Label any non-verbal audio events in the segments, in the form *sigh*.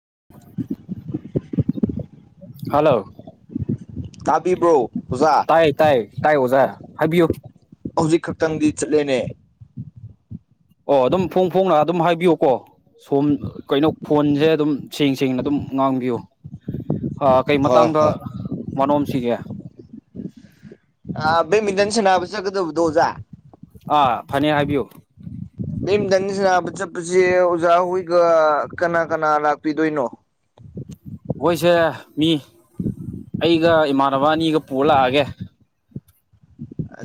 *inaudible* hello ꯇꯥꯕꯤꯕ꯭ꯔꯣ ꯑꯣꯖꯥ ꯇꯥꯏ ꯇꯥꯏ ꯇꯥꯏ ꯑꯣꯖꯥ ꯍꯥꯏꯕꯤꯌꯨ ꯍꯧꯖꯤꯛ ꯈꯛꯇꯪꯗꯤ ꯆꯠꯂꯦꯅꯦ ꯑꯣ ꯑꯗꯨꯝ ꯐꯣꯡ ꯐꯣꯡꯅ ꯑꯗꯨꯝ ꯍꯥꯏꯕꯤꯌꯨꯀꯣ ꯁꯨꯝ ꯀꯩꯅꯣ ꯐꯣꯟꯖꯦ ꯑꯗꯨꯝ ꯁꯦꯡ ꯁꯦꯡꯅ ꯑꯗꯨꯝ ꯉꯥꯡꯕꯤꯌꯨ *inaudible* ꯑꯥ ꯀꯩ ꯍꯣꯏ ꯃꯇꯥꯡꯗ ꯍꯣꯏ ꯋꯥꯅꯣꯝꯁꯤꯒꯦ ꯑꯥ ꯕꯦꯠꯃꯤꯟꯇꯟ ꯁꯟꯅꯥꯕ ꯆꯠꯀꯗꯧꯕꯗꯣ ꯑꯣꯖꯥ ꯑꯥ ꯐꯅꯤ ꯍꯥꯏꯕꯤꯌꯨ ꯕꯦꯠꯃꯤꯟꯇꯟ ꯁꯥꯟꯅꯕ ꯆꯠꯄꯁꯦ ꯑꯣꯖꯥ ꯍꯣꯏꯒ ꯀꯅꯥ ꯀꯅꯥ ꯂꯥꯛꯄꯤꯗꯣꯏꯅꯣ *inaudible* ꯑꯩꯈꯣꯏꯁꯦ ꯃꯤ ꯑꯩꯒ ꯏꯃꯥꯟꯅꯕ ꯑꯅꯤꯒ ꯄꯨꯔ ꯂꯥꯛꯑꯒꯦ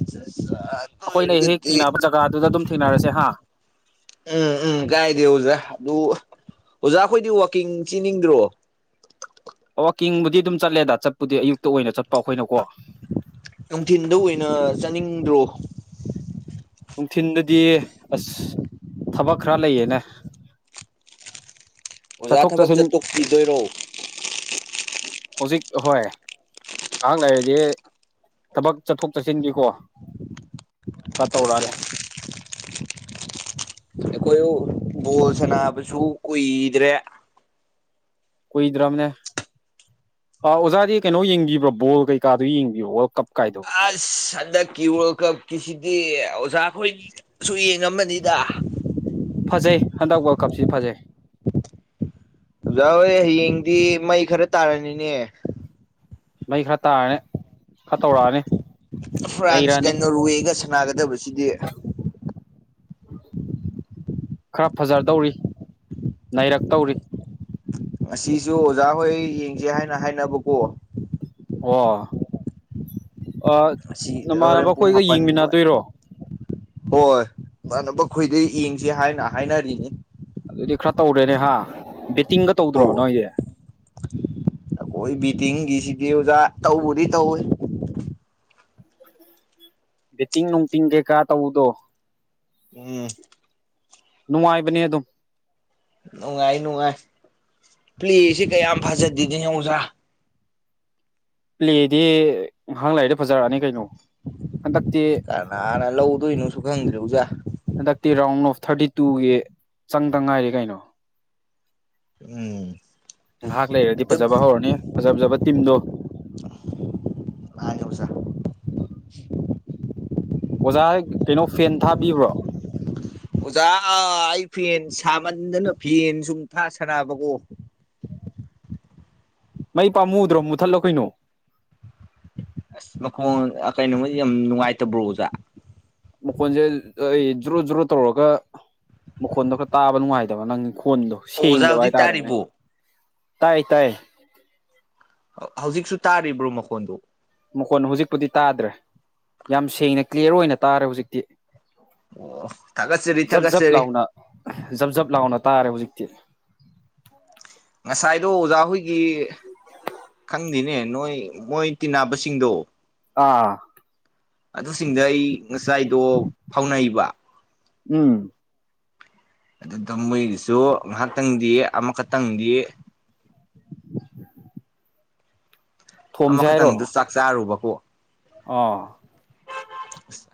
ꯑꯠꯆꯥ ꯑꯠꯆꯥ ꯑꯗꯨ ꯑꯈꯣꯏꯅ ꯍꯦꯛ ꯑꯣꯏꯔꯒꯗꯤ ꯊꯦꯡꯅꯕ ꯖꯒꯥꯗꯨꯗ ꯑꯗꯨꯝ ꯊꯦꯡꯅꯔꯁꯦ ꯍꯥ ꯎꯝ ꯎꯝ ꯀꯥꯏꯗꯦ ꯑꯣꯖꯥ ꯑꯗꯨ ꯑꯣꯖꯥꯈꯣꯏꯗꯤ ꯋꯥꯛꯀꯤꯡ ꯆꯦꯟꯅꯤꯡꯗ꯭ꯔꯣ ꯋꯥꯀꯤꯡꯕꯨꯗꯤ ꯑꯗꯨꯝ ꯆꯠꯂꯦꯗ ꯆꯠꯄꯨꯗꯤ ꯑꯌꯨꯛꯇ ꯑꯣꯏꯅ ꯆꯠꯄ ꯑꯩꯈꯣꯏꯅꯀꯣ ꯅꯨꯡꯊꯤꯟꯗ ꯑꯣꯏꯅ ꯆꯠꯅꯤꯡꯗ꯭ꯔꯣ ꯅꯨꯡꯊꯤꯟꯗꯗꯤ ꯑꯁ ꯊꯕꯛ ꯈꯔ ꯂꯩꯌꯦꯅꯦ ꯑꯣꯖꯥ ꯆꯠꯊꯣꯛ ꯊꯕꯛ ꯆꯠꯁꯤꯟ ꯆꯠꯇꯣꯛꯄꯤꯗꯣꯏꯔꯣ ꯑꯍꯣꯏ ꯉꯍꯥꯡ ꯂꯩꯔꯗꯤ ꯊꯕꯛ ꯆꯠꯊꯣꯛ ꯆꯠꯁꯤꯟꯒꯤꯀꯣ ꯈꯔ ꯇꯧꯔꯛꯑꯅꯤ *inaudible* ꯑꯩꯈꯣꯏ ꯕꯣꯜ ꯁꯅꯥꯕꯁꯨ ꯀꯨꯏꯗ꯭ꯔꯦ ꯀꯨꯏꯗ꯭ꯔꯝꯅꯦ ꯑꯥ ꯑꯣꯖꯥꯗꯤ ꯀꯩꯅꯣ ꯌꯦꯡꯕꯤꯕ꯭ꯔꯣ ꯕꯣꯜ ꯀꯩꯀꯥꯗꯨ ꯌꯦꯡꯕꯤꯌꯣ ꯋꯥꯔꯜ ꯀꯞ ꯀꯥꯏꯗꯣ ꯑꯁ ꯍꯟꯗꯛꯀꯤ ꯋꯥꯔꯜ ꯀꯞ ꯀꯤꯁꯤ ꯒꯤ ꯑꯣꯖꯥ ꯈꯣꯏꯒꯤ ꯁꯨ ꯌꯦꯡꯉꯝꯃꯅꯤꯗ ꯐꯖꯩ ꯍꯟꯗꯛ ꯋꯥꯔꯜ ꯀꯞꯁꯤ ꯐꯖꯩ ꯑꯣꯖꯥ ꯍꯣꯏ ꯍꯌꯦꯡꯗꯤ ꯃꯩ ꯈꯔ ꯇꯥꯔꯅꯤꯅꯦ ꯃꯩ ꯈꯔ ꯇꯥꯔꯅꯤ ꯈꯔ ꯇꯧꯔꯛꯑꯅꯤ ꯐ꯭ꯔꯥꯟꯁ ꯅꯩꯔꯛꯑꯅꯤ ꯕꯦꯒꯟꯅꯣꯔꯋꯦꯒ ꯁꯥꯟꯅꯒꯗꯕꯁꯤꯗꯤ ꯈꯔ ꯐꯖꯗꯧꯔꯤ ꯅꯩꯔꯛꯇꯧꯔꯤ ꯑꯁꯤꯁꯨ ꯑꯣꯖꯥ ꯍꯣꯏ ꯌꯦꯡꯁꯦ ꯍꯥꯏꯅ ꯍꯥꯏꯅꯕꯀꯣ ꯑꯣ ꯑꯥ ꯉꯁꯤꯗ ꯍꯣꯔꯦꯟ ꯅꯃꯥꯟꯅꯕ ꯄꯨꯡ ꯈꯣꯏꯒ ꯃꯥꯄꯟ ꯑꯗꯨꯋꯥꯏ ꯌꯦꯡꯃꯤꯟꯅꯗꯣꯏꯔꯣ ꯍꯣꯏ ꯏꯃꯥꯟꯅꯕ ꯈꯣꯏꯗꯩ ꯌꯦꯡꯁꯤ ꯍꯥꯏꯅ ꯍꯥꯏꯅꯔꯤꯅꯤ ꯑꯗꯨꯗꯤ ꯈꯔ ꯇꯧꯔꯦꯅꯦ ꯍꯥ ꯕꯦꯠꯇꯤꯡꯒ ꯇꯧꯗ꯭ꯔꯣ ꯍꯣꯏ ꯅꯣꯏꯗꯤ ꯑꯩꯈꯣꯏ ꯕꯦꯇꯤꯡꯒꯤꯁꯤꯗꯤ ꯑꯣꯖꯥ ꯇꯧꯕꯨꯗꯤ ꯇꯧꯋꯤ ꯕꯦꯇꯤꯡ ꯅꯨꯡꯇꯤꯡ ꯀꯩꯀꯥ ꯇꯧꯕꯗꯣ ꯎꯝ ꯅꯨꯡꯉꯥꯏꯕꯅꯦ ꯑꯗꯨꯝ ꯅꯨꯡꯉꯥꯏ ꯅꯨꯡꯉꯥꯏ ꯄ꯭꯭ꯂꯦꯁꯤ ꯀꯌꯥꯝ ꯐꯖꯗꯦꯅꯦ ꯑꯣꯖꯥ ꯄ꯭ꯂꯦꯗꯤ ꯉꯍꯥꯛ ꯂꯥꯏꯔꯗꯤ ꯐꯖꯔꯛꯑꯅꯤ ꯀꯩꯅꯣ ꯍꯟꯗꯛꯇꯤ ꯀꯅꯥꯅ ꯂꯧꯗꯣꯏꯅꯣꯁꯨ ꯈꯪꯗ꯭ꯔꯦ ꯑꯣꯖꯥ ꯍꯟꯗꯛꯇꯤ ꯔꯥꯎꯟ ꯑꯣꯐ ꯊꯥꯔꯇꯤ ꯇꯨꯒꯤ ꯆꯪꯗ ꯉꯥꯏꯔꯤ ꯀꯩꯅꯣ ꯎꯝ ꯉꯥꯏꯍꯥꯛ ꯂꯩꯔꯗꯤ ꯑꯗꯨꯝ ꯐꯖꯕ ꯍꯧꯔꯅꯤ ꯐꯖ ꯐꯖꯕ ꯇꯤꯝꯗꯣ ꯃꯥꯅꯤ ꯑꯣꯖꯥ ꯑꯣꯖꯥ ꯀꯩꯅꯣ ꯐꯦꯟ ꯊꯥꯕꯤꯕ꯭ꯔꯣ ꯑꯣꯖꯥ ꯑꯥ-ꯑꯩ ꯐꯦꯟ ꯁꯥꯃꯟꯗꯅ ꯐꯦꯟ ꯁꯨꯝ ꯊꯥ ꯁꯥꯅꯕꯀꯣ ꯃꯩ ꯄꯥꯝꯃꯨꯗ꯭ꯔꯣ ꯃꯨꯠꯊꯠꯂꯣ ꯀꯩꯅꯣ ꯑꯁ ꯃꯈꯣꯜ ꯀꯩꯅꯣꯃꯗꯤ ꯌꯥꯝ ꯅꯨꯡꯉꯥꯏꯇꯕ꯭ꯔꯣ ꯑꯣꯖꯥ ꯃꯈꯣꯟꯁꯦ ꯑꯩ ꯖ꯭ꯔꯣ ꯖ꯭ꯔꯣ ꯇꯧꯔꯒ ꯃꯈꯣꯟꯗꯣ ꯈꯔ ꯇꯥꯕ ꯅꯨꯡꯉꯥꯏꯇꯕ ꯅꯪꯒꯤ ꯄꯣꯟꯗꯣ ꯑꯣ ꯑꯣꯖꯥ ꯁꯦꯡꯗꯕ ꯍꯧꯖꯤꯛ ꯍꯥꯏꯇꯥꯔꯦꯅꯦ ꯇꯥꯔꯤꯕꯣ ꯇꯥꯏ ꯇꯥꯏ ꯍꯧꯖꯤꯛꯁꯨ ꯇꯥꯔꯤꯕ꯭ꯔꯣ ꯃꯈꯣꯟꯗꯣ ꯃꯈꯣꯟ ꯍꯧꯖꯤꯛꯄꯨꯗꯤ ꯇꯥꯗ꯭ꯔꯦ ꯌꯥꯝ ꯁꯦꯡꯅ ꯀ꯭ꯂꯤꯌꯥꯔ ꯑꯣꯏꯅ ꯇꯥꯔꯦ ꯍꯧꯖꯤꯛꯇꯤ ꯑꯣ ꯊꯥꯒꯠꯆꯔꯤ ꯖꯞ ꯖꯞ ꯊꯥꯒꯠꯆꯔꯤ ꯂꯥꯎꯅ ꯖꯞ ꯖꯞ ꯂꯥꯎꯅ ꯇꯥꯔꯦ ꯍꯧꯖꯤꯛ *unintelligible* ꯉꯁꯥꯏꯗꯣ ꯑꯣꯖꯥ ꯍꯣꯏꯒꯤ ꯈꯪꯗꯦꯅꯦ ꯅꯣꯏ ꯃꯣꯏ ꯇꯤꯟꯅꯕꯁꯤꯡꯗꯣ ꯑꯥ ꯑꯗꯨꯁꯤꯡꯗ ꯑꯩ ꯉꯁꯥꯏꯗꯣ ꯐꯥꯎꯅꯩꯕ ꯎꯝ ꯑꯗꯨꯗ ꯃꯣꯏꯒꯤꯁꯨ ꯉꯥꯏꯍꯥꯛꯇꯪꯗꯤ ꯑꯃꯈꯛꯇꯪꯗꯤ ꯑꯃꯈꯛꯇꯪꯗꯨ ꯆꯥꯛ ꯆꯥꯔꯨꯕꯀꯣ ꯑꯣ ꯑꯁ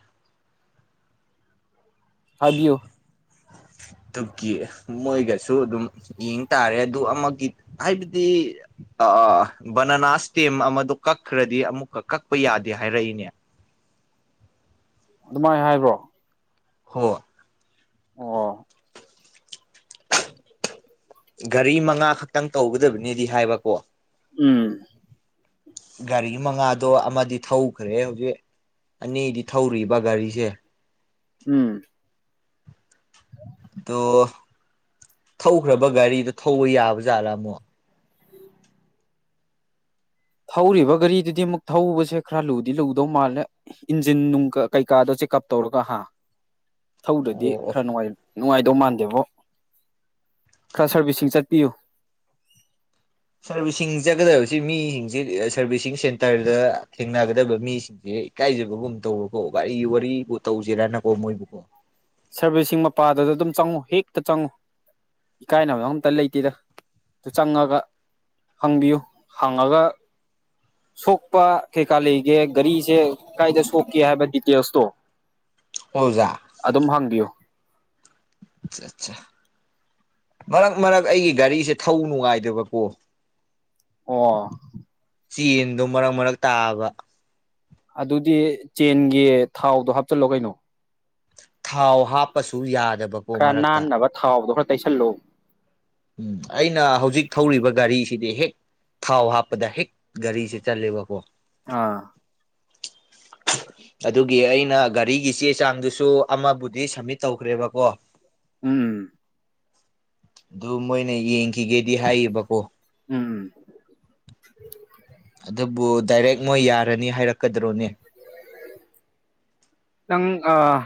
ꯍꯥꯏꯕꯤꯌꯨ *inaudible* ꯑꯗꯨꯒꯤ ꯃꯣꯏꯒꯁꯨ ꯑꯗꯨꯝ ꯌꯦꯡꯇꯔꯦ ꯑꯗꯨ ꯑꯃꯒꯤ ꯍꯥꯏꯕꯗꯤ ꯑꯥ ꯑꯥ ꯕꯅꯅꯥ ꯁꯇꯦꯝ ꯑꯃꯗꯣ ꯀꯛꯈ꯭ꯔꯗꯤ ꯑꯃꯨꯛꯀ ꯀꯛꯄ ꯌꯥꯗꯦ ꯍꯥꯏꯔꯛꯏꯅꯦ ꯑꯗꯨꯃꯥꯏꯅ ꯍꯥꯏꯕ꯭ꯔꯣ ꯍꯣ ꯑꯣ ꯒꯥꯔꯤ ꯃꯉꯥ ꯈꯛꯇꯪ ꯇꯧꯒꯗꯕꯅꯦꯗꯤ ꯍꯥꯏꯕꯀꯣ ꯎꯝ ꯒꯥꯔꯤ ꯃꯉꯥꯗꯣ ꯑꯃꯗꯤ ꯊꯧꯈ꯭ꯔꯦ ꯍꯧꯖꯤꯛ ꯑꯅꯤꯗꯤ ꯊꯧꯔꯤꯕ ꯒꯥꯔꯤꯁꯦ ꯎꯝ ꯑꯗꯣ ꯊꯧꯈ꯭ꯔꯕ ꯒꯥꯔꯤꯗꯣ ꯊꯧꯕ ꯌꯥꯕ ꯖꯥꯠꯂꯥ ꯑꯃꯨꯛ ꯊꯧꯔꯤꯕ ꯒꯥꯔꯤꯗꯨꯗꯤ ꯑꯃꯨꯛ ꯊꯧꯕꯁꯦ ꯈꯔ ꯂꯨꯗꯤ ꯂꯨꯗꯧ ꯃꯥꯜꯂꯦ ꯏꯟꯖꯤꯟ ꯅꯨꯡ ꯀꯩꯀꯥꯗꯣ ꯆꯦꯀꯞ ꯇꯧꯔꯒ ꯍꯥ *inaudible* ꯊꯧꯗ꯭ꯔꯥꯗꯤ ꯑꯣ ꯑꯣ ꯈꯔ ꯅꯨꯡꯉꯥꯏ ꯅꯨꯡꯉꯥꯏꯗꯧ ꯃꯥꯟꯗꯦꯕꯣ ꯈꯔ ꯁꯔꯚꯤꯁꯤꯡ ꯆꯠꯄꯤꯌꯨ ꯁꯔꯚꯤꯁꯤꯡ ꯆꯠꯀꯗꯕꯁꯤ ꯃꯤꯁꯤꯡꯖꯦ ꯁꯔꯚꯤꯁꯤꯡ ꯁꯦꯟꯇꯔꯗ ꯊꯦꯡꯅꯒꯗꯕ ꯃꯤꯁꯤꯡꯁꯦ ꯑꯦ ꯏꯀꯥꯏꯖꯕꯒꯨꯝ ꯇꯧꯕꯀꯣ ꯀꯔꯤ ꯋꯥꯔꯤ ꯇꯧꯖꯦꯔꯅꯀꯣ ꯃꯣꯏꯕꯨꯀꯣ ꯁꯔꯚꯤꯁꯁꯤꯡ ꯃꯄꯥꯗꯗ ꯑꯗꯨꯝ ꯆꯪꯉꯨ ꯍꯦꯛꯇ ꯆꯪꯉꯨ ꯏꯀꯥꯏꯅꯕꯒ ꯑꯝꯇ ꯂꯩꯇꯦꯗ ꯑꯗꯨ ꯆꯪꯉꯒ ꯍꯪꯕꯤꯌꯨ ꯍꯪꯉꯒ ꯁꯣꯛꯄ ꯀꯩꯀꯥ ꯂꯩꯒꯦ ꯒꯥꯔꯤꯁꯦ ꯀꯥꯏꯗ ꯁꯣꯛꯀꯦ ꯍꯥꯏꯕ ꯗꯤꯇꯦꯜꯁꯇꯣ ꯍꯣꯏ ꯑꯣꯖꯥ ꯑꯗꯨꯝ ꯍꯪꯕꯤꯌꯨ ꯑꯆꯥ ꯑꯆꯥ ꯃꯔꯛ ꯃꯔꯛ ꯑꯩꯒꯤ ꯒꯥꯔꯤꯁꯦ ꯊꯧ ꯅꯨꯡꯉꯥꯏꯗꯕꯀꯣ ꯑꯣ ꯆꯦꯟꯗꯣ ꯃꯔꯛ ꯃꯔꯛ ꯇꯥꯕ ꯑꯗꯨꯗꯤ ꯆꯦꯟꯒꯤ ꯊꯥꯎꯗꯣ ꯍꯥꯞꯆꯜꯂꯣ ꯀꯩꯅꯣ ꯊꯥꯎ ꯍꯥꯞꯄꯁꯨ ꯌꯥ ꯈꯔ ꯅꯥꯟꯅꯕ ꯊꯥꯎꯗꯣ ꯈꯔ ꯇꯩꯁꯜꯂꯣ ꯎꯝ ꯑꯩꯅ ꯍꯧꯖꯤꯛ ꯊꯧꯔꯤꯕ ꯒꯥꯔꯤ ꯁꯤꯗꯤ ꯍꯦꯛ ꯊꯥꯎ ꯍꯥꯞꯄꯗ ꯍꯦꯛ ꯒꯥꯔꯤꯁꯦ ꯆꯠꯂꯦꯕꯀꯣ ꯑꯥ *inaudible* ꯑꯗꯨꯒꯤ ꯑꯩꯅ ꯒꯥꯔꯤꯒꯤ ꯆꯦ ꯆꯥꯡꯗꯨꯁꯨ ꯑꯃꯕꯨꯗꯤ ꯁꯝꯃꯤꯠ ꯇꯧꯈ꯭ꯔꯦꯕꯀꯣ ꯎꯝ ꯑꯗꯨ ꯃꯣꯏꯅ ꯌꯦꯡꯈꯤꯒꯦꯗꯤ ꯍꯥꯏꯌꯦꯕꯀꯣ ꯎꯝ ꯑꯗꯨꯕꯨ ꯗꯥꯏꯔꯦꯛ ꯃꯣꯏ ꯌꯥꯔꯅꯤ ꯍꯥꯏꯔꯛꯀꯗ꯭ꯔꯣꯅꯦ *inaudible* ꯅꯪ ꯑꯥ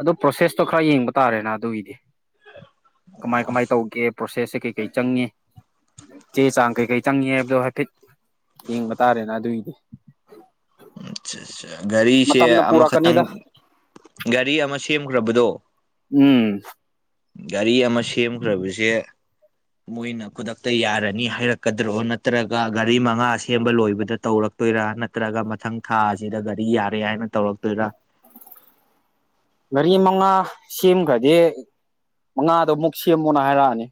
ꯑꯗꯨ ꯄ꯭ꯔꯣꯁꯦꯁꯇꯣ ꯈꯔ ꯌꯦꯡꯕ ꯇꯥꯔꯦꯅ ꯑꯗꯨꯒꯤꯗꯤ ꯀꯃꯥꯏ ꯀꯃꯥꯏ ꯇꯧꯒꯦ ꯄ꯭ꯔꯣꯁꯦꯁꯁꯦ ꯀꯩꯀꯩ ꯆꯪꯉꯦ ꯆꯦ ꯆꯥꯡ ꯀꯩꯀꯩ ꯆꯪꯉꯦ ꯍꯥꯏꯕꯗꯣ ꯍꯥꯏꯐꯦꯠ ꯌꯦꯡꯕ ꯇꯥꯔꯦꯅ ꯑꯗꯨꯢꯗꯤ ꯑꯆꯥ ꯆꯥ ꯒꯥꯔꯤꯁꯦ ꯑꯃꯈꯛꯇꯪ ꯄꯨꯔꯛꯀꯅꯤꯗ ꯒꯥꯔꯤ ꯑꯃ ꯁꯦꯝꯒ꯭ꯔꯕꯗꯣ ꯎꯝ ꯒꯥꯔꯤ ꯑꯃ ꯁꯦꯝꯈ꯭ꯔꯕꯁꯦ ꯃꯣꯏꯅ ꯈꯨꯗꯛꯇ ꯌꯥꯔꯅꯤ ꯍꯥꯏꯔꯛꯀꯗ꯭ꯔꯣ ꯅꯠꯇ꯭ꯔꯒ ꯒꯥꯔꯤ ꯃꯉꯥ ꯁꯦꯝꯕ ꯂꯣꯏꯕꯗ ꯇꯧꯔꯛ ꯇꯣꯏꯔꯥ ꯅꯠꯇ꯭ꯔꯒ ꯃꯊꯪ ꯊꯥ ꯑꯁꯤꯗ ꯒꯥꯔꯤ ꯌꯥꯔꯦ ꯍꯥꯏꯅ ꯇꯧꯔꯛꯇꯣꯏꯔ ꯃꯔꯤ ꯃꯉꯥ ꯁꯦꯝꯒ꯭ꯔꯗꯤ ꯃꯉꯥꯗꯣ ꯑꯃꯨꯛ ꯁꯦꯝꯃꯣꯅ ꯍꯥꯏꯔꯛꯑꯅꯤ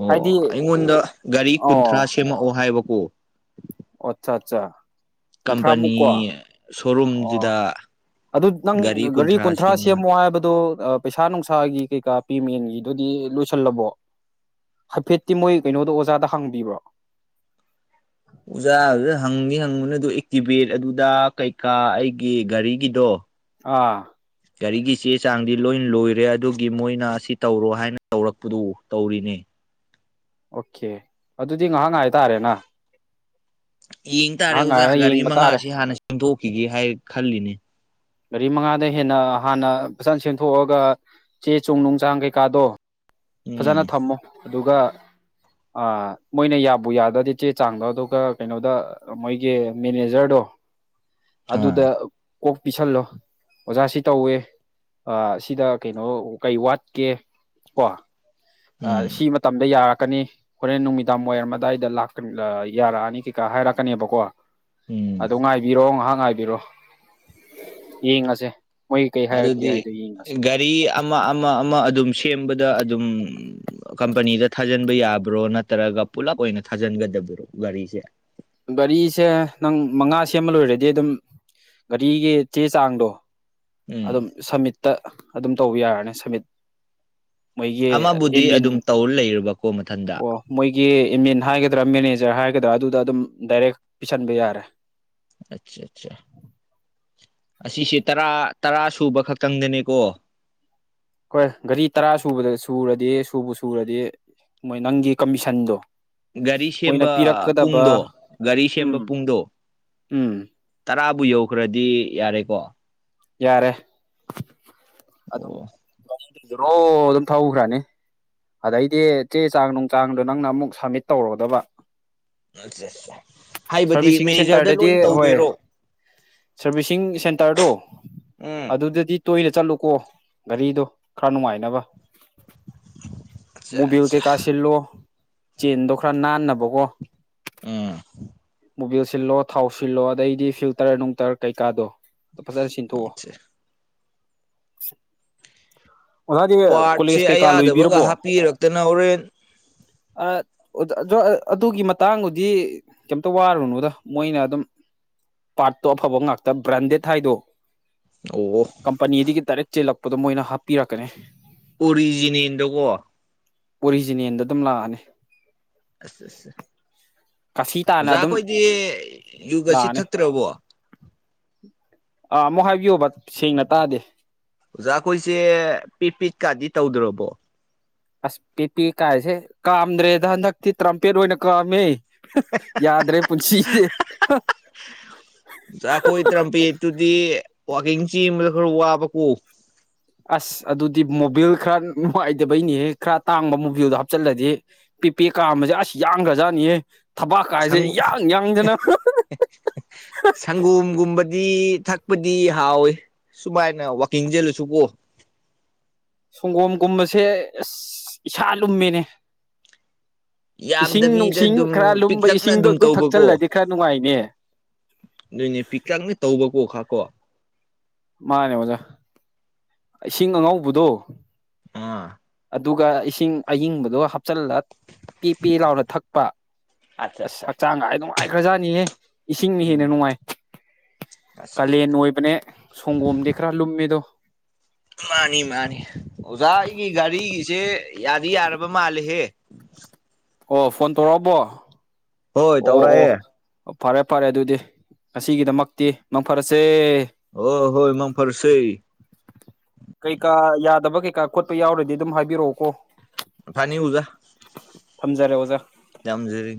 ꯑꯣ ꯍꯥꯏꯗꯤ ꯑꯩꯉꯣꯟꯗ ꯒꯥꯔꯤ ꯀꯨꯟꯊ꯭ꯔꯥ ꯑꯣ ꯁꯦꯝꯃꯛꯑꯣ ꯍꯥꯏꯕꯀꯣ ꯑꯠꯆꯥ ꯆꯥ ꯀꯝꯄꯅꯤ ꯑꯣ ꯁꯣꯔꯨꯝꯖꯤꯗ ꯑꯗꯨ ꯅꯪ ꯒꯥꯔꯤ ꯀꯨꯟꯊ꯭ꯔꯥ ꯁꯦꯝꯃꯣ ꯍꯥꯏꯕꯗꯣ ꯄꯩꯁꯥ ꯅꯨꯡꯁꯥꯒꯤ ꯀꯩꯀꯥ ꯄꯦ ꯃꯦꯟꯒꯤ ꯑꯗꯨꯗꯤ ꯂꯣꯏꯁꯜꯂꯕꯣ ꯍꯥꯏꯐꯦꯠꯇꯤ ꯃꯣꯏ ꯀꯩꯅꯣꯗꯣ ꯑꯣꯖꯥꯗ ꯍꯥꯡꯕꯤꯕ꯭ꯔꯣ ꯑꯣꯖꯥꯗꯨꯗ ꯍꯪꯗꯤ ꯍꯪꯕꯅꯦ ꯑꯗꯨ ꯑꯦꯛꯇꯤꯚꯦꯠ ꯑꯗꯨꯗ ꯀꯩꯀꯥ ꯑꯩꯒꯤ ꯒꯥꯔꯤꯒꯤꯗꯣ ꯑꯥ ꯒꯥꯔꯤꯒꯤ ꯆꯦ ꯆꯥꯡꯗꯤ ꯂꯣꯏ ꯂꯣꯏꯔꯦ ꯑꯗꯨꯒꯤ ꯃꯣꯏꯅ ꯑꯁꯤ ꯇꯧꯔꯣ ꯍꯥꯏꯅ ꯇꯧꯔꯛꯄꯗꯣ ꯇꯧꯔꯤꯅꯦ ꯑꯣꯀꯦ ꯑꯗꯨꯗꯤ ꯉꯥꯍꯥꯛ ꯉꯥꯏꯇꯔꯦꯅ ꯌꯦꯡ ꯇꯔꯦ ꯑꯣꯖꯥ ꯒꯥꯔꯤ ꯇꯥꯔꯦ ꯃꯉꯁꯤ ꯍꯥꯟꯅ ꯁꯦꯝꯗꯣꯛꯈꯤꯒꯦ ꯍꯥꯏ ꯈꯜꯂꯤꯅꯦ ꯒꯥꯔꯤ ꯃꯉꯥꯗ ꯍꯦꯟꯅ ꯍꯥꯟꯅ ꯐꯖꯅ ꯁꯦꯝꯊꯣꯛꯑꯒ ꯆꯦ ꯆꯨꯡ ꯅꯨꯡ ꯆꯥꯡ ꯀꯩꯀꯥꯗꯣ ꯐꯖꯅ ꯎꯝ ꯊꯝꯃꯣ ꯑꯗꯨꯒ *inaudible* ꯑꯥ ꯃꯣꯏꯅ ꯌꯥꯕꯨ ꯌꯥꯗꯧꯗꯤ ꯆꯦ ꯆꯥꯡꯗꯣ ꯑꯗꯨꯒ ꯀꯩꯅꯣꯗ ꯃꯣꯏꯒꯤ ꯃꯦꯅꯦꯖꯔꯗꯣ ꯑꯗꯨꯗ ꯑ ꯀꯣꯛ ꯄꯤꯁꯜꯂꯣ ꯑꯣꯖꯥ ꯁꯤ ꯇꯧꯋꯦ ꯑꯥ ꯁꯤꯗ ꯀꯩꯅꯣ ꯀꯩ ꯋꯥꯠꯀꯦ ꯀꯣ ꯎꯝ ꯑꯥ ꯁꯤ ꯃꯇꯝꯗ ꯌꯥꯔꯛ ꯀꯅꯤ ꯍꯣꯔꯦꯟ ꯅꯨꯃꯤꯗꯥꯡ ꯋꯥꯏꯔꯝꯗꯥꯏꯗ ꯂꯥꯛꯀ ꯌꯥꯔꯛꯑꯅꯤ ꯀꯩꯀꯥ ꯍꯥꯏꯔꯛꯀꯅꯦꯕꯀꯣ ꯎꯝ ꯑꯗꯨ ꯉꯥꯏꯕꯤꯔꯣ ꯉꯥꯏꯍꯥꯛ ꯉꯥꯏꯕꯤꯔꯣ ꯌꯦꯡꯉꯁꯦ ꯃꯣꯏ ꯀꯩ ꯍꯥꯏꯔꯛꯀꯦ ꯑꯗꯨꯗꯤ ꯍꯥꯏꯗꯣ ꯌꯦꯡꯉꯁꯦ ꯒꯥꯔꯤ ꯑꯃ ꯑꯃ ꯑꯃ ꯑꯗꯨꯝ ꯁꯦꯝꯕꯗ ꯑꯗꯨꯝ ꯀꯝꯄꯅꯤꯗ ꯊꯥꯖꯟꯕ ꯌꯥꯕ꯭ꯔꯣ ꯅꯠꯇ꯭ꯔꯒ ꯄꯨꯂꯞ ꯑꯣꯏꯅ ꯊꯥꯖꯤꯟꯒ ꯒꯗꯔꯣ ꯒꯥꯔꯤꯁꯦ ꯒꯥꯔꯤꯁꯦ ꯅꯪ ꯃꯉꯥ ꯁꯦꯝꯕ ꯂꯣꯏꯔꯗꯤ ꯑꯗꯨꯝ ꯒꯥꯔꯤꯒꯤ ꯆꯦ ꯆꯥꯡꯗꯣ ꯎꯝ ꯑꯗꯨꯝ ꯁꯝꯃꯤꯠꯇ ꯑꯗꯨꯝ ꯇꯧꯕ ꯌꯥꯔꯅꯤ ꯁꯝꯃꯤꯠ ꯃꯣꯏꯒꯤ ꯑꯃꯕꯨꯗꯤ ꯑꯦꯟꯃꯤꯟ ꯑꯗꯨꯝ ꯇꯧꯔ ꯂꯩꯔꯕꯀꯣ ꯃꯊꯟꯗ ꯑꯣ ꯃꯣꯏꯒꯤ ꯑꯦꯟꯃꯤꯟ ꯍꯥꯏꯒꯗ꯭ꯔ ꯃꯦꯅꯦꯖꯔ ꯍꯥꯏ ꯗ ꯑꯗꯨꯗ ꯑꯗꯨꯝ ꯗꯥꯏꯔꯦꯛ ꯄꯤꯁꯟꯕ ꯌꯥꯔꯦ ꯑꯆꯥ ꯑꯆꯥ ꯑꯁꯤꯁꯦ ꯇꯔꯥ ꯇꯔꯥ ꯁꯨꯕ ꯈꯛꯇꯪꯗꯅꯤꯀꯣ ꯍꯣꯏ ꯒꯥꯔꯤ ꯇꯔꯥ ꯁꯨꯕꯗ ꯁꯨꯔꯗꯤ ꯁꯨꯕꯨ ꯁꯨꯔꯗꯤ ꯃꯣꯏ ꯅꯪꯒꯤ ꯀꯝꯃꯤꯁꯟꯗꯣ ꯒꯥꯔꯤ ꯁꯦꯝꯕ ꯄꯨꯡꯗꯣ ꯒꯥꯔꯤ ꯁꯦꯝꯕ ꯎꯝ ꯄꯨꯡꯗꯣ ꯎꯝ ꯕꯨ ꯌꯧꯈ꯭ꯔꯗꯤ ꯌꯥꯔꯦꯀꯣ ꯌꯥꯔꯦ ꯑꯗꯨꯝ ꯑꯣ ꯖꯣꯔꯣ ꯑꯗꯨꯝ ꯊꯧꯖꯠꯅꯤ ꯑꯗꯩꯗꯤ ꯆꯦ ꯆꯥꯡ ꯅꯨꯡ ꯆꯥꯡꯗꯣ ꯅꯪꯅ ꯑꯃꯨꯛ ꯁꯝꯃꯤꯠ ꯇꯧꯔꯨꯒꯗꯕ ꯌꯦꯁ ꯌꯦꯁ ꯌꯦꯁ ꯍꯥꯏꯕꯗꯤ ꯃꯦꯅꯦꯖꯔꯗ ꯂꯣꯏ ꯇꯧꯗꯣꯏꯔꯣ ꯁꯔꯕꯤꯁꯤꯡ ꯁꯦꯟꯇꯔꯗꯣ ꯎꯝ ꯑꯗꯨꯗꯗꯤ ꯇꯣꯏꯅ ꯆꯠꯂꯨꯀꯣ ꯒꯥꯔꯤꯗꯣ ꯈꯔ ꯅꯨꯡꯉꯥꯏꯅꯕ ꯑꯠꯆꯥ ꯃꯨꯕꯤꯜ ꯑꯠꯆꯥ ꯀꯩꯀ ꯁꯤꯜꯂꯣ ꯆꯦꯟꯗꯣ ꯈꯔ ꯅꯥꯟꯅꯕꯀꯣ ꯎꯝ ꯃꯣꯕꯤꯜ ꯁꯤꯜꯂꯣ ꯊꯥꯎ ꯁꯤꯜꯂꯣ ꯑꯗꯩꯗꯤ ꯐꯤꯜꯇꯔ ꯅꯨꯡꯇꯔ ꯀꯩꯀꯥꯗꯣ ꯑꯗꯣ ꯐꯖꯅ ꯁꯤꯟꯊꯣꯛꯑꯣ ꯑꯣꯖꯥꯗꯤ ꯄꯥꯔꯠꯁꯦ ꯀꯣꯂꯦꯖ ꯀꯩꯀꯥ ꯑꯌꯥꯗꯕꯒ ꯂꯣꯏꯕꯤꯔꯕꯣ ꯍꯥꯞꯄꯤꯔꯛꯇꯅ ꯍꯣꯔꯦꯟ ꯑꯥ *unintelligible* ꯑꯗꯨꯒꯤ ꯃꯇꯥꯡꯗꯨꯗꯤ ꯀꯩꯝꯇ ꯋꯥꯔꯨꯅꯨꯗ ꯃꯣꯏꯅ ꯑꯗꯨꯝ ꯄꯥꯔꯠꯇꯣ ꯑꯐꯕ ꯉꯥꯛꯇ ꯕ꯭ꯔꯥꯟꯗꯦꯠ ꯍꯥꯏꯗꯣ ꯑꯣ ꯀꯝꯄꯅꯤꯗꯒꯤ ꯗꯥꯏꯔꯦꯛ ꯆꯦꯜꯂꯛꯄꯗꯣ ꯃꯣꯏꯅ ꯍꯥꯞꯄꯤꯔꯛꯀꯅꯤ ꯑꯣꯔꯤꯖꯤꯅꯦꯜ ꯗꯀꯣ ꯑꯣꯔꯤꯖꯤꯅꯦꯜꯗ ꯑꯗꯨꯝ ꯂꯥꯛꯑꯅꯤ ꯑꯁ ꯑꯁ ꯀꯥꯁꯤ ꯇꯥꯅ ꯑꯣꯖꯥ ꯑꯗꯨꯝ ꯈꯣꯏꯗꯤ ꯌꯨꯒꯁꯤ ꯂꯥꯛꯑꯅꯤ ꯊꯛꯇ꯭ꯔꯕꯣ ꯑꯥ ꯑꯃꯨꯛ ꯍꯥꯏꯕꯤꯌꯣꯕ ꯁꯦꯡꯅ ꯇꯥꯗꯦ ꯑꯣꯖꯥ ꯈꯣꯏꯁꯦ ꯄꯤꯠ ꯄꯤꯠꯀꯥꯗꯤ ꯇꯧꯗ꯭ꯔꯕꯣ ꯑꯁ ꯄꯦꯄꯦ ꯀꯥꯏꯁꯦ ꯀꯥꯝꯗ꯭ꯔꯦꯗ ꯍꯟꯗꯛꯇꯤ ꯇꯔꯝꯄꯦꯠ ꯑꯣꯏꯅ ꯀꯥꯝꯃꯦ ꯍꯥ ꯌꯥꯗ꯭ꯔꯦ ꯄꯨꯟꯁꯤꯁꯦ ꯍꯥ ꯖꯈꯣꯏ ꯇꯔꯝꯄꯦꯠꯇꯨꯗꯤ ꯋꯥꯛꯀꯤꯡ ꯆꯦꯟꯕꯗ ꯈꯔ ꯋꯥꯕꯀꯣ ꯑꯁ ꯑꯗꯨꯗꯤ ꯃꯣꯔꯤꯜ ꯈꯔ ꯅꯨꯡꯉꯥꯏꯇꯕꯩꯅꯤꯍꯦ ꯈꯔ ꯇꯥꯡꯕ ꯃꯣꯕꯤꯜꯗꯣ ꯍꯥꯞꯆꯤꯜꯂꯗꯤ ꯄꯦ ꯄꯦ ꯀꯥꯝꯕꯁꯦ ꯑꯁ ꯌꯥꯡꯒ꯭ꯔꯖꯥꯠꯅꯤꯍꯦ ꯊꯕꯥꯛ ꯀꯥꯏꯁꯦ ꯌꯥꯡ ꯌꯥꯡꯗꯅ ꯏ ꯊꯛꯄꯗꯤ ꯍꯥꯎꯋꯤ ꯁꯨꯃꯥꯏꯅ ꯋꯀꯤꯡ ꯆꯜꯂꯁꯨ ꯀꯣ ꯁꯪꯒꯣꯝꯒꯨꯝꯕꯁꯦ ꯑꯁ ꯏꯁꯥ ꯂꯨꯝꯃꯤꯅꯦ ꯏꯁꯤꯡ ꯌꯥꯝꯗꯕꯤꯗ ꯅꯨꯡꯁꯤꯡ ꯑꯗꯨꯝ ꯈꯔ ꯂꯨꯝꯕ ꯄꯤꯛꯇꯛꯅ ꯏꯁꯤꯡꯗꯣ ꯑꯗꯨꯝ ꯑꯗꯨ ꯊꯛꯆꯤꯜꯂꯗꯤ ꯈꯔ ꯅꯨꯡꯉꯥꯏꯅꯦ ꯅꯣꯏꯅꯦ ꯄꯤꯛꯇꯪꯅ ꯇꯧꯕ ꯀꯣ ꯈꯥ ꯀꯣ ꯃꯥꯅꯦ ꯑꯣꯖꯥ ꯏꯁꯤꯡ ꯑꯍꯧꯕꯗꯣ ꯑꯥ ꯑꯗꯨꯒ ꯏꯁꯤꯡ ꯑꯏꯤꯡꯕꯗꯣ ꯍꯥꯞ ꯆꯜꯂꯒ ꯄꯤ ꯄꯤ ꯂꯥꯎꯅ ꯊꯛꯄ ꯑꯠꯆꯥ ꯑꯁ ꯑꯠꯆꯥ ꯍꯛꯆꯥꯡꯒꯁꯦ ꯅꯨꯡꯉꯥꯏꯈ꯭ꯔꯖꯥꯠꯅꯤꯍꯦ ꯏꯁꯤꯡꯅ ꯍꯦꯟꯅ ꯎꯝ ꯅꯨꯡꯉꯥꯏ ꯑꯁ ꯑꯁ ꯀꯥꯂꯦꯟ ꯑꯣꯏꯕꯅꯦ ꯁꯪꯒꯣꯝꯗꯤ ꯈꯔ ꯂꯨꯝꯃꯤꯗꯣ ꯃꯥꯅꯤ ꯃꯥꯅꯤ ꯑꯣꯖꯥ ꯑꯩꯒꯤ ꯒꯥꯔꯤꯒꯤꯁꯦ ꯌꯥꯗꯤ ꯌꯥꯔꯕ ꯃꯥꯜꯂꯤꯍꯦ ꯑꯣ ꯐꯣꯟ ꯇꯧꯔꯛꯑꯝꯕꯣ ꯍꯣꯏ ꯇꯧꯔꯛꯑꯦ ꯐꯔꯦ ꯐꯔꯦ ꯑꯗꯨꯗꯤ ꯉꯁꯤꯒꯤꯗꯃꯛꯇꯤ ꯃꯪ ꯐꯔꯁꯦ ꯑꯣ ꯍꯣꯏ ꯃꯪ ꯐꯔꯁꯦ ꯀꯩꯀꯥ ꯌꯥꯗꯕ ꯀꯩꯀꯥ ꯈꯣꯠꯄ ꯌꯥꯎꯔꯗꯤ ꯑꯗꯨꯝ ꯍꯥꯏꯕꯤꯔꯛꯑꯣꯀꯣ ꯐꯅꯤ ꯊꯝꯖꯔꯦ ꯑꯣꯖꯥ ꯌꯝꯖꯔꯦ